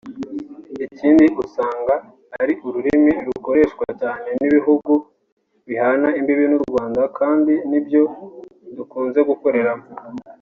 ikindi usanga ari ururimi rokoreshwa cyane n’ibihugu bihana imbibi n’u Rwanda kandi ni byo dukunze gukoreramo